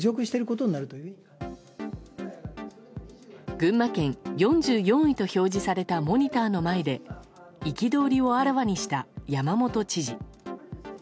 群馬県、４４位と表示されたモニターの前で憤りをあらわにした山本知事。